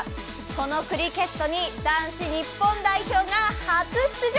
そのクリケットに男子日本代表が初出場。